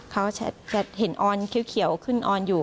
เขาจะเห็นออนเขียวขึ้นออนอยู่